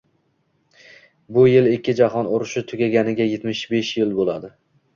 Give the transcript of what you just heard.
Bu yil ikki Jahon urushi tugaganiga yetmish besh yil to‘ladi.